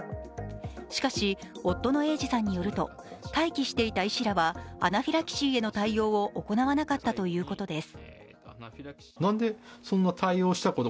しかし、夫の英治さんによると待機していた医師らはアナフィラキシーへの対応を行わなかったということです。